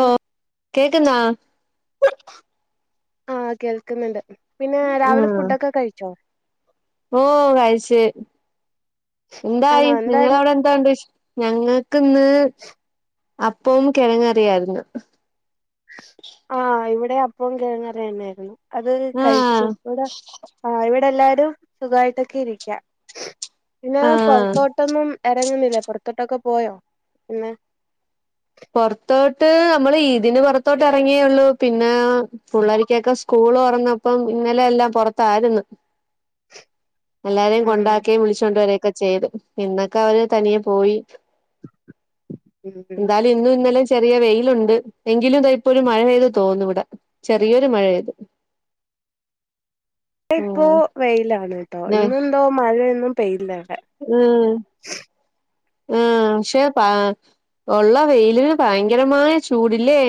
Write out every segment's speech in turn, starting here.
ഓ കേൾക്കുന്നാ ആ കേൾക്കുന്നുണ്ട് പിന്നെ രാവിലെ ഉം ഫുഡൊക്കെ കഴിച്ചോ? ഓ കഴിച്ച് ആണോ എന്തായി എന്താ നിങ്ങൾ അവിടെ എന്തൊ വിശേഷ ഞങ്ങ [inaudible] ഞങകിന്ന് അപ്പവും കിഴങ്ങ്കറിയായിരുന്നു. ആ ഇവിടെ അപ്പം കിഴങ്ങ്കറി തന്നായിരുന്നു. അത് കഴിച്ചു ആഹ് ഇവിടെ ആ ഇവിടെ എല്ലാവരും [unintelligible] സുഖായിട്ടൊക്കെ ഇരിക്ക പിന്നെ ആഹ് പൊറത്തോട്ടൊന്നും ഇറങ്ങുന്നില്ലേ പുറത്തോട്ടൊക്കെ പോയോ പിന്നെ പുറത്തോട്ട് നമ്മൾ ഇതിന് പുറത്തോട്ട് ഇറങ്ങിയൊള്ളു. പിന്നെ പിള്ളേർക്കൊക്കെ സ്കൂൾ തുറന്നപ്പം ഇന്നലെ എല്ലാം പുറത്തായിരുന്നു. എല്ലാവരെയും ആഹ് കൊണ്ടാക്കേം, വിളിച്ചു കൊണ്ടുവരേ ക്കെ ചെയ്തു ഇന്നൊക്കെ അവർ തനിയെ പോയി ഉം ഉം എന്നാൽ ഇന്നും ഇന്നലെ ചെറിയ വെയിലുണ്ട്, എൻ എങ്കിലും ദാഇപ്പോ ഒരുമഴ പെയ്ത് തോർന്നു ഇവിടെ ചെറിയൊരു മഴയാത് ഇവ്ടഇപ്പോ വെയിലാണ് ട്ടോ ഇന്ന് എന്തോ മഴയൊന്നും പെയ്തില്ലാ ഉം ആ പക്ഷെ ഉള്ള വെയിലിന് ഭയങ്കരമായ ചൂടില്ലേ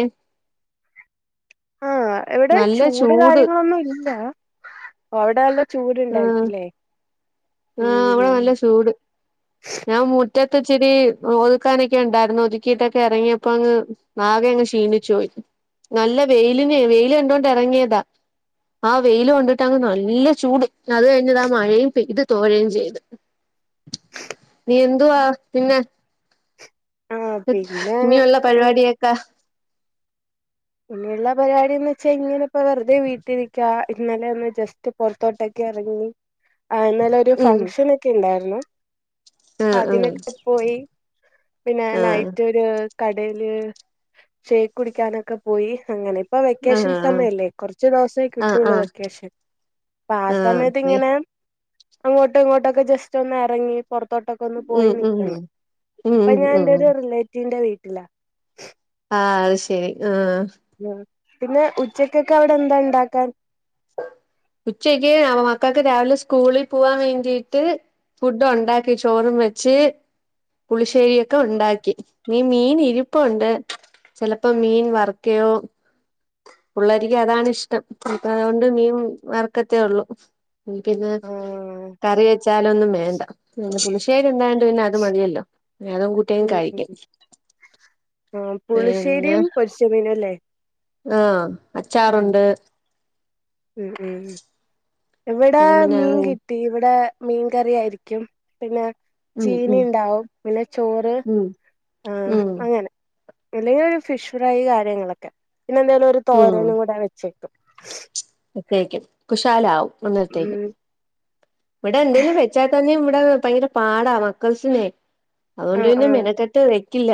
ആ ഇവിടെ ചൂട് കാര്യങ്ങളൊന്നും ഇല്ലാ... [unintelligible] ആഹ് ചൂടുണ്ടായിരിക്കില്ലേ ആഹ് ഇവിടെ ഉം നല്ല ചൂട് ഞാൻ മുറ്റത്ത് ഇച്ചിരി ഒതുക്കാനൊക്കെ ഉണ്ടായിരുന്നു ഒതുക്കിട്ടൊക്കെ ഇറങ്ങിയപ്പോ അങ്ങ് ആകെ അങ്ങ് ക്ഷീണിച്ചു പോയി. നല്ല വെയിലിന് വെയിൽ കണ്ടോണ്ട് ഇറങ്ങിയതാ ആ വെയിൽ കൊണ്ടിട്ട് അങ്ങ് നല്ല ചൂട്. അത് കഴിഞ്ഞു ദാ മഴയും പെയ്ത്, തോരയും ചെയ്ത്. നീ എന്തുവാ പിന്നെ ആഹ് ഇനിയുള്ള പിന്നെ പരിപാടിയൊക്കെ ഇനിയുള്ള പരിപാടിന്ന് വെച്ചാ ഇങ്ങനെ ഇപ്പോ വെറുതെ വീട്ടിരിക്കാ ഇന്നലെ ഒന്ന് ജസ്റ്റ് പൊറത്തോട്ടൊക്കെ ഇറങ്ങി ആഹ് ഇന്നലെ ഒരു ഉം ഫംഗ്ഷൻ ഒക്കെ ഉണ്ടായിരുന്നു എന്നാ ആഹ് ആഹ് അതിനൊക്കെ പോയി പിന്നെ ആഹ് നൈറ്റ് ഒരു കടയില് ഷേക്ക് കുടിക്കാനൊക്കെ പോയി അങ്ങനെ ഇപ്പൊ വെക്കേഷൻ ആഹ് സമയല്ലേ കുറച്ച് ദിവസേ ആഹ് കിട്ടുള്ളൂ ആഹ് വെക്കേഷൻ അപ്പൊ ആ സമയത്ത് ആഹ് ഇങ്ങനെ അങ്ങോട്ടും ഇങ്ങോട്ടൊക്കെ ജസ്റ്റ് ഒന്ന് ഇറങ്ങി പുറത്തോട്ടൊക്കെ ഒന്ന് ഉം പോയി ഉം നിക്കുന്നു ഉം ഇപ്പൊ ഉം ഞാൻ എന്റെ ഉം ഒരു റിലേറ്റീവിന്റെ വീട്ട ട്ടില്ല ആഹ് അത് ശെരി ആഹ് ഉം പിന്നെ ഉച്ചക്കൊക്കെ അവിടെ എന്താ ഇണ്ടാക്കാൻ ഉച്ചക്ക് മക്കൾക്ക് രാവിലെ സ്കൂളിൽ പോവാ വേണ്ടീട്ട് ഫുഡ് ഉണ്ടാക്കി ചോറും വെച്ച് പുളിശ്ശേരിയൊക്കെ ഉണ്ടാക്കി ഇനി മീൻ ഇരിപ്പുണ്ട് ചിലപ്പോ മീൻ വറക്കയോ പിള്ളേർക്ക് അതാണ് ഇഷ്ടം അപ്പോ അതുകൊണ്ട് മീൻ വറക്കത്തേ ഉള്ളു പിന്നെ ആഹ് കറി വെക്ക് വച്ചാലൊന്നും വേണ്ട പുളിശ്ശേരി ഇണ്ടായോണ്ട് പിന്നെ അത് മതിയല്ലോ അതും കൂട്ടി അങ്ങ് ഉം ഉം കഴിക്കും ആഹ് പിന്നെ പുളിശ്ശേരിയും പൊരിച്ച മീനും അല്ലേ ആഹ് അച്ചാറുണ്ട് ഉം ഉം ഉം ഇവിടെ പിന്നെ മീൻ കിട്ടി ഇവിടെ മീൻ കറി ആയിരിക്കും പിന്നെ ഉം ചീനി ഉം ഉണ്ടാവും പിന്നെ ചോറ് ഉം ആഹ് ഉം അങ്ങനെ അല്ലെങ്കിൽ ഒരു ഫിഷ് ഫ്രൈ കാര്യങ്ങളൊക്കെ പിന്നെ എന്തായാലും ഒരു തോരനും കൂടെ വെച്ചേക്കും ക്കയക്കും കുശാലാവും അന്നരത്തേക്ക് ഇവിട എന്തേലും വെച്ചാത്ത തന്നെ അ ഭയങ്കര പാടാവാ ഉം മക്കസിനെ ആഹ് അതുകൊണ്ടന്ന് ആഹ് മെനക്കെട്ട കില്ല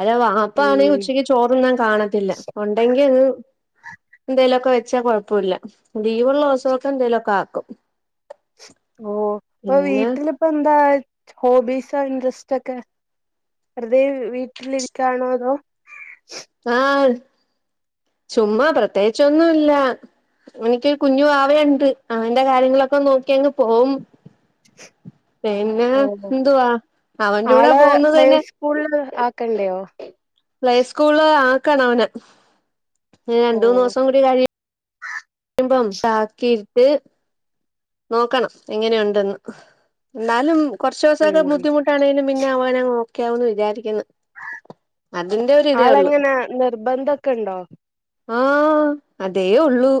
അല്ല വ അപ്പ ആണെങ്കിൽ ഉം ഉച്ചക്ക് ചോറൊന്നാും കാണത്തില്ല ഉണ്ടെങ്കിൽ അന്ന് എന്തേലുംൊക്കെ വെച്ചാ കൊഴപ്പ ഇില്ല ദീവുള്ള ദസഖമൊക്കെ എന്തേലുമൊക്കെ ആക്കും ഓ ഇപ്പൊ പിന്നെ വീട്ടിലിപ്പ എന്താ ഹോബീസോ ഇൻട്രസ്റ്റ് ഒക്കെ വെറുതെ വീട്ടിലിരിക്കാണോ അതോ ആ ചുമ്മാ പ്രത്യേകിച്ചൊന്നുമല്ല എനക്കൊരു കുഞ്ഞു വ വയുണ്ട് അവന്റെ കാര്യങ്ങളൊക്കെ നോക്കി അങ്ങ് പോവും പിന്നെ ഓ എന്തുവാ അവന്റെ കൂടെ പോകുന്നത് തന്നെ ക്കണ്ടെയോ പ്ലേസ്കൂൾ അ ക്കണം അവനെ ഓ രണ്ട് മൂന്ന് ദിവസം കൂടി കാഴി മ്പം താക്കീട്ട് നോക്കണം എങ്ങനെയുണ്ടെന്ന് എന്നാലും കുറച്ച് ദിവസായിട്ട് ഉം ബദ്ധിമുട്ടാണേങ്കിലും പിന്നെവാനെ നോക്ക ക്കാമേന്ന് വിചാരിക്കുന്നു അതിന്റെ ഒരു ഇതേ ഉള്ളു ആളെങ്ങനെ നിർബന്ധംക്കെണ്ടോ ആ അതേ ഉള്ളൂ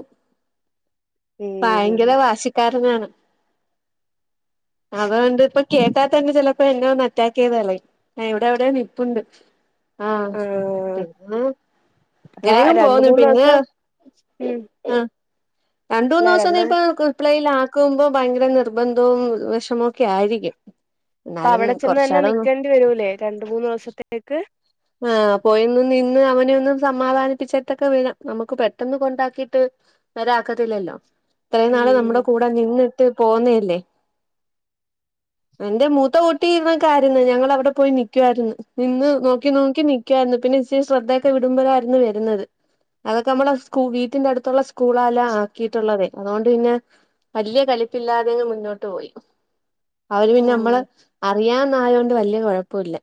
ഉം ഭയങ്കര വാശിക്കാരനാണ് അതൊണ്ട് ഇപ്പ കേട്ടാത്തന്നെ ചിലപ്പോ എന്നെ ഒന്ന് അറ്റാക്ക് ചെയ്ത് കളയും ഇവിടെ എവിടെയോ നിപ്പുണ്ട് ആ ആഹ് പിന്നെ അപ്പൊ രണ്ട് എയുംപോന്ന് മൂന്ന് പിന്നെ ദിവസം ഉം ആ അല്ല രണ്ടൂന്ന് ദിവസം രണ്ട് ഇപ്പൊ അപ്പൊ നി പ്ലേയില് ആക്കുമ്പോ ഭയങ്കര നിർബന്ധവും വിഷമോ ഒക്കെ ആയിരിക്കും അപ്പ എന്നാലും അവിടെ ചെന്ന് തന്നെ കുറച്ചാളൊന്ന് നില്ക്കേണ്ടി വരൂല്ലേ രണ്ട് മൂന്ന് ദിവസത്തേക്ക് ആഹ് പോയിന്ന് നിന്ന് അവനെ ഓന്നു സമാധാനിപ്പിച്ചിട്ടൊക്കെ വിടാം നമുക്ക് പെട്ടന്ന് കൊണ്ടാക്കിട്ട് വരാക്കത്തില്ലല്ലോ ഇത്രയും നാള് ഉം നമ്മുടെ കൂടെ നിന്ന് പോന്നല്ലേ എന്റെ മൂത്ത കുട്ടിയും ഇതുപോലെക്ക് ആരുന്നു ഞങ്ങൾ അവിടെ പോയി നിക്കുവായിരുന്നു നിന്ന് ന നോക്കി നോക്കി നിക്കുവായിരുന്നു പിന്നെ ഇച്ചരി ശ്രദ്ധയൊക്കെ വിടുമ്പോഴായിരുന്നു വരുന്നത് അതൊക്കെ നമ്മള സ്കൂ വീട്ടിന്റെ അടുത്തുള്ള സ്കൂളല്ല ആക്കിയിട്ടുള്ളതേ അതുകൊണ്ട് പിന്നെ വലിയ കളിപ്പില്ലാതെ അങ്ങ് മുന്നോട്ട് പോയി അവര് പിന്നെ നമ്മള് ഉം അറിയാന്ന ആയൊണ്ട് വല്യയ കുഴപ്പം ഇല്ല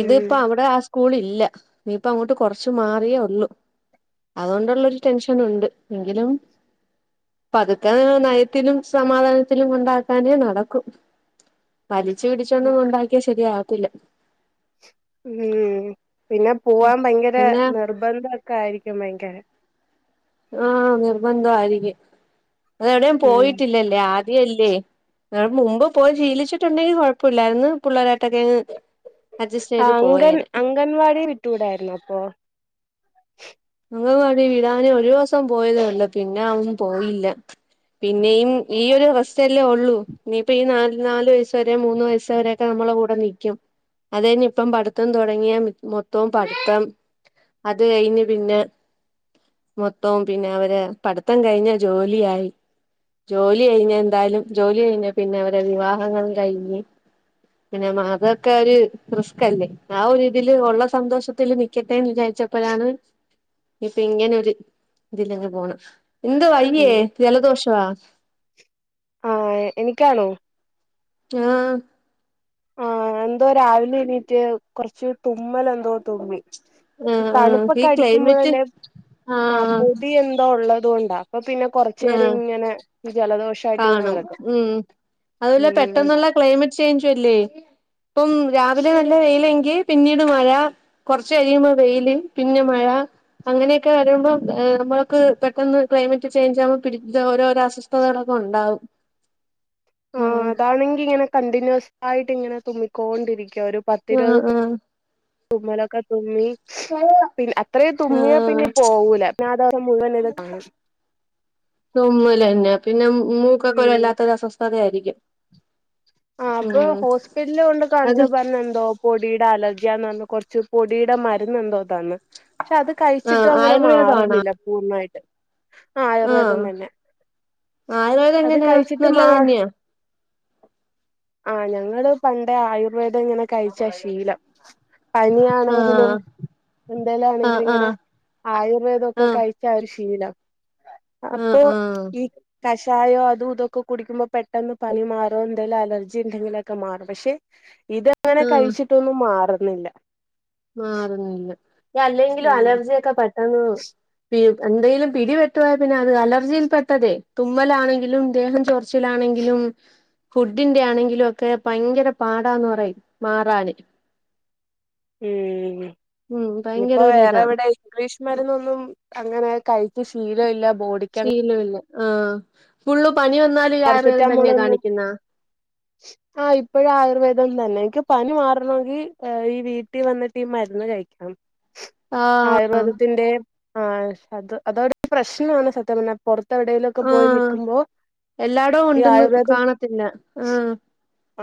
ഇതിപ്പ അവിടെ സ്കൂൾ ഇല്ല ഇനിപ്പഅങ്ങോട്ട് കൊറച്ച് മാറിയേ ഉള്ളു അതുകൊണ്ടുള്ളൊരു ടെൻഷൻ ഉണ്ട് എങ്കിലും പതുക്ക നയത്തിലും സമാധാനത്തിലും കൊണ്ടാക്കാനേ നടക്കു വലിച്ച് പിടിച്ചൊന്നും കൊണ്ടാക്കിയാ ശരിയാ ത്തില്ല. ഉം പിന്നെ പോവാൻ ഭയങ്കര പിന്നെ നിർബന്ധ ഓക്കെ ആയിരിക്കും. [unintelligible] ഭയങ്കര ആ നിർബന്ധം അയിരിക്കും. അത് എവിടെയും ഉം പോയിട്ടില്ലല്ലേ ആ തിയല്ലേ ആ മുമ്പ് പോയി ശീലിച്ചിട്ടുണ്ടെങ്കിൽ കുഴപ്പല്ലായിരുന്നു പുള്ളേരേ ആ അംഗൻ പോയേനെ അംഗൻവാടി വിട്ടൂടായിരുന്നോ അപ്പൊ? അംഗവാടി വിടാന് ഒരൂസം പോയതെയുള്ളു. പിന്നെ അവൻ പോയില്ല പിന്നെയും ഈ ഒരു അവസ്ഥയല്ലേ ഒള്ളൂ ഇനിയിപ്പ ഈ നാ നാല് വയസ്സ്‌ വരേ മൂന്ന് വയസ്സവരെ പ്പ നമ്മളെ കൂടെ നിക്കും. അത് കഴിഞ്ഞ് ഇപ്പം പഠിത്തം തുടങ്ങിയ മൊത്തവും പഠിത്തം അത് കഴിഞ്ഞി പിന്നെ മൊത്തം പിന്നെ അവര് പഠിത്തം കഴിഞ്ഞ് ജോലിയായി ജോലി കഴിഞ്ഞ് എന്തായാലും ജോലി കഴിഞ്ഞാ പിന്നെ അവരെ വിവാഹങ്ങൾ കഴിഞ്ഞ് പിന്നെ മാക്കക്കതൊര് റിസ്കല്ലേ. ആ ഒരുരിതില് ഒള്ള സന്തോഷത്തില് നിക്ക ട്ടേന്ന് വിചാരിച്ചപ്പഴാണ് ഇപ്പൊ ഇങ്ങനെ ഒരു ഇതിലങ്ങ് പോണ് എന്താ വയ്യേ ഉം ജലദോഷവാ? ആ എനിക്കാണോ? ആ ആ എന്തോ രാവിലെ എണീറ്റ് കുറച്ച് തുമ്മല എന്തോ തുമ്മി. ഇ ആഹ് ആഹ് ഈ തണുപ്പൊക്കെ ക്ലൈമറ്റ് അടിക്കുമ്പഴല്ലേ ആ ആഹ് പൊടി എന്തോ ഉള്ളത്. ദോണ്ട അപ്പൊ പിന്നെ കൊറച്ചേര ആഹ് ഇങ്ങനെ ജല കാണും ഉം അതുവല്ല ഉം പെട്ടെന്നുള്ള ക്ലൈമറ്റ് ചേഞ്ചും അല്ലേ? ഇപ്പം രാവിലെ നല്ല വെയിലെങ്കി പിന്നീട് മഴ കൊറച്ച് കഴിയുമ്പോൾ വെയില് പിന്നെ മഴ അങ്ങനെയൊക്കെ വരുമ്പം ഏഹ് ർ നമ്മക്ക് പെട്ടെന്ന് ക്ലൈമറ്റ് ചേയിഞ്ചാകുമ്പോ പിടി ദോരോരോ അസ്വസ്ഥതകളൊ ഇപ്പം ഒണ്ടാവും. ആ അതാണെങ്കി ഇങ്ങനെ കണ്ടിന്യൂസ് ആയിട്ടിങ്ങനെ തുമ്മിക്കോണ്ടിരിക്കും. ഒരു ആഹ് പത്തിരുപത് തു തുമ്മലൊക്കെ തുമ്മി ആ പിന്നെ അത്രയും തുമ്മിയാ പിന്നെ പോവൂല പിന്നെ ആ ദിവസം മുഴുവൻ ഇത് കാണും തുമ്മലന്നെ പിന്നെ മൂക്കൊക്കെ ഒരു ഉം വല്ലാത്തൊരു അസ്വസ്ഥത ആയിരി ക്കും ആ അപ്പൊ ഹോസ്പിറ്റല്കൊണ്ട് അത് കാണിച്ച പറഞ്ഞെന്തോ പൊടി ടെ അലർജിയാന്ന് പറഞ്ഞ് കൊറച്ച് പൊടിയുടെ മരുന്നെന്തോ തന്ന് പക്ഷെ അത് ആഹ് കഴിച്ചിട്ടും അങ്ങനെ ആയുർവേദാണോ മാറുന്നില്ല പൂർണ്ണായി ആഹ് ആയുർവേദം അത് എങ്ങനെയാ കഴിച്ചിട്ട് നല്ലത് മാ തന്നെയാ ആഹ് ഞങ്ങള് പണ്ടേ ആയുർവേദം ഇങ്ങനെ കഴിച്ചാ ശീലം പനിയാണെങ്കിലും ആഹ് ആഹ് എന്തേലാണെങ്കിലും ഇങ്ങനെ ആഹ് ആയുർവേദൊക്കെ ആഹ് കഴിച്ചാ ഒരു ശീ ശീലം ആഹ് അപ്പൊ ആഹ് ഈ കഷായോ അതും ഇതൊക്കെ കുടിക്കുമ്പോ പെട്ടെന്ന് പനി മാറുമെന്ന് എന്തേലും അലർജി ഉണ്ടെങ്കിലൊക്കെ മാറും പക്ഷെ ഇതങ്ങനെ ആഹ് കഴിച്ചിട്ടൊന്നും മാറ് മാറുന്നില്ല മാറുന്നില്ല അല്ലെങ്കിലും ഉം അലർജിയൊക്കെ പെ ഉം പി [unintelligible] എന്തേലും പിടിപെട്ടു പോയാ പിന്നെ അത് അലർജിയിൽ പെട്ടതേ തുമ്മലാണെങ്കിലും ദേഹം ചോറിച്ചിലാണെങ്കിലും ഫുഡിന്റെ ആണെങ്കിലും ഒക്കെ ഭയങ്കര പാടാന്ന് പറയും മാറാന് ഉം ഉം ഇനിപ്പോ ഭയങ്കര ഒരിതാ വേറെവിടെ ഇംഗ്ലീഷ് മരുന്ന് ഒന്നും അങ്ങനെ കഴി ഇപ്പം ശീലം ഇല്ല ബോഡിക്ക് ശീലമില്ല ആ ഫുള്ളയും പാരസെറ്റാമോൾ ഒന്നും ആ ഇപ്പൊഴും ആയുർവേദം തന്നെ എനിക്ക് പനി മാറണമെങ്കി ഈ വീട്ടിൽ വന്നിട്ട് ഈ മരുന്ന് കഴിക്കണം ആഹ് ആയുർവേദത്തിന്റെ ആ അത് അതോട് പ്രശ്നമാണ് സത്യം പറഞ്ഞാ പുറത്തെ എവിടേലുമൊക്കെ പോയി നിക്കുമ്പോ എല്ലാടോം ഈ ഉണ്ടെന്ന് ആയുർവേദം കാണത്തില്ല ആഹ്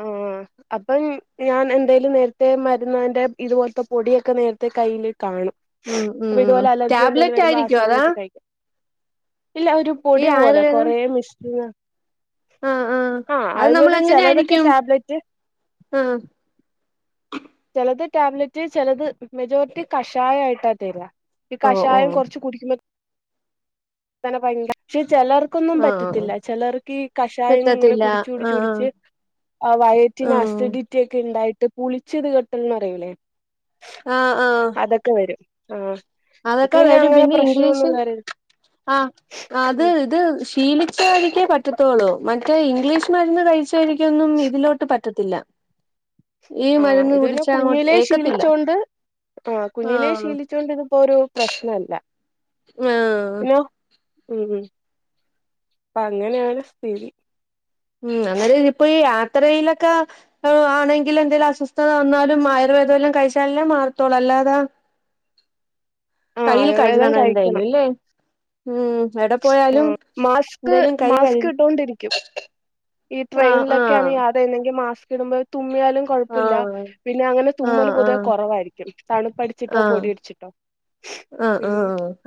ആഹ് അപ്പം ഞാൻ എന്തേലും നേരത്തെ മരുന്നാന്റെ ഇതുപോലത്തെ പൊടിയൊക്കെ നേരത്തെ കയ്യിൽ ഇ കാണും ഉം അപ്പൊ ഉം ഇതുപോലെ അലർജി എന്തേലും ടാബ്ലറ്റ് വരുമ്പോ ആ ആയിരിക്കോ അതാ സമയത്ത് കഴിക്കാം ഇല്ല ഒരു ഈ പൊടി പോലെ ആയുർവേദം കൊറേ മിസ് ആഹ് ആഹ് അത് നമ്മൾ ആയുർവേദം എങ്ങനെ ചിലതൊക്കെ ആയിരിക്കും ടാബ്ലറ്റ് ആഹ് ചിലത് ടാബ്ലറ്റ് ചിലത് മെജോറിറ്റി കഷായം ആയിട്ടാ തരാ ഈ ഓഹ് കഷായം ഓഹ് കുറച്ച് കുടിക്കുമ്പോ നലെ [inaudible] [unintelligible] ചിലർക്കൊന്നും ആഹ് പറ്റത്തില്ല ചിലർക്ക് ഈ കഷായം ഇങ്ങനെ കിട്ടത്തില്ല കുടിച്ച് കുടിച്ച് ആഹ് കുടിച്ച് വയറ്റിന് ആഹ് അസിഡിറ്റി ഒക്കെ ഉണ്ടായിട്ട് പുളിച്ച ഇത് കെട്ടന്നറയൂലേ ആ ആ ആ എനിക്ക് അതൊക്കെ വരും അങ്ങനെ പിന്നെ പ്രശ്നമൊന്നും ഇംഗ്ലീഷ് വര ആ അത് ഇത് ശീലിച്ചവർക്കേ പറ്റത്തോള്ളൂ മറ്റേ ഇംഗ്ലീഷ് മരുന്ന് കഴിച്ച രിക്കൊന്നും ഇതിലോട്ട് പറ്റ പറ്റത്തില്ല ഈ ആ മരുന്ന് ഇതനെ കുടിച്ചാ അങ്ങോട്ട് കുഞ്ഞിലെ ഏക്കത്തില്ല ശീലിച്ചോണ്ട് ആ കുഞ്ഞിലെ ശീലിച്ചോണ്ട് ഇത് ഇപ്പൊ ഒരു പ്രശ്നല്ല ആ പിന്നെ ഉം ഉം അപ്പ അങ്ങനെയാണ് സ്ഥിതി ഉം അന്നേരം ഇ ഇപ്പോ ഈ യാത്രയിലൊക്കെ ആണെങ്കിൽ എന്തേലിലും അസ്വസ്ഥത വന്നാലും ആയുർവേദം എല്ലാം കഴിച്ചാലല്ലേ മാറത്തോളൂ അല്ലാതെ ആ കയ്യിൽ ആയുർവേദം കരുതണം എന്തായാലും ഇല്ലെ ഉം എവിടെ ആ പോയാലും മാസ്ക് എന്തേലും കൈ കഴു മാസ്ക് ഇട്ടൊണ്ടിരിക്കും ഈ ആഹ് ട്രെയിനിലൊക്കെയാണ് ആഹ് യാതരുന്നെങ്ക മാസ്‌ കിടു തുമ്മിയാലും കുഴപ്പമില്ല ആഹ് പിന്നെ അങ്ങനെ തുമ്മല് ആഹ് പൊതുവെ ആഹ് കുറവായിരിക്കും തണുപ്പടിച്ചിട്ടോ പൊടി അടിച്ചിട്ടോ ആ ആ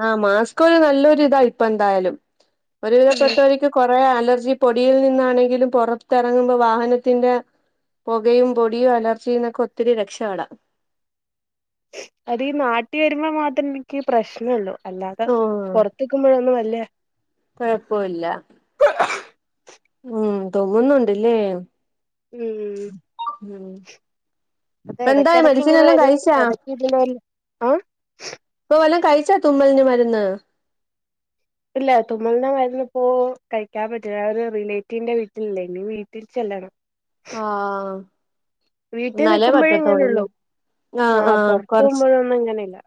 ആ മാസ്ക് ഒരു നല്ലൊരു ഇതായിട് ഇപ്പന്തായാലും ഉം ഒരുവിധപ്പെട്ടവർക്ക് കുറെ അലർ ഇ പൊടിയിൽ നിന്നാണെങ്കിലും പുറത്തിറങ്ങുമ്പോ വാഹനത്തിന്റെ പുകയും പൊടിയും അലർജി എന്നൊക്കെ ഒത്തിരി രക്ഷപ്പെടാം അതീഈ നാട്ടി വരുമ്പോ മാത്രം എനിക്ക് പ്രശ്നയുള്ളൂ അല്ലാതെ പുറത്തക്കുമ്പോഴൊന്നും വല്യ കൊഴപ്പില്ല തുമ്മുന്നുണ്ടലെ ഉം അത ഇപ്പ എന്തായി എടക്കിടക്ക് മെഡിസിൻ ഇങ്ങനെ എല്ലാം വരും കഴിച്ചാ ഇടക്ക് ഇതിനെ ആ ച്ചോ തുമ്മലന് മരുന്ന് ഇല്ല തുമൽന് മരുന്നിപ്പോ കഴിക്കാൻ പറ്റില്ല ഒരു റിലേറ്റീവിന്റെ വീട്ടിലല്ലേ ഇനി വീട്ടിൽ ചെല്ലണം ആ വീട്ടിൽ നല നിക്കുമ്പോഴേ പറ്റത്തോളല്ലേ ഇങ്ങനെള്ളൂ ആ ആ ആഹ് പൊറത്ത് കൊറച്ച് പോകുമ്പോഴൊന്നും ഇങ്ങനെയില്ല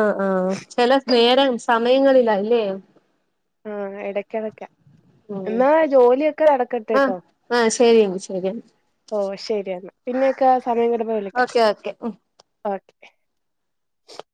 ആ ആ ചില നേര സമയങ്ങളിലാ അല്ലേ ആ ഇടക്ക ഇടക്ക ഉം എന്നാ ജോലി കടക്കട്ടെ ആഹ് കേട്ടോ ആഹ് ശരിയെങ്കി ശരിയെങ്കി ഓ ശരിയെന്ന പിന്നെക്കെ സമയം കടുമ്പ വിളിക്കാം ഓക്കെ ഓക്കെ ഉം ഓ [unintelligible]